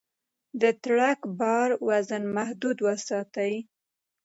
د ټرک بار وزن محدود وساتئ.